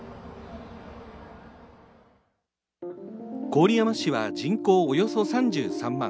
郡山市は人口およそ３３万。